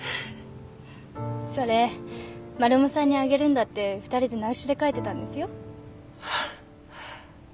それマルモさんにあげるんだって２人で内緒で書いてたんですよ。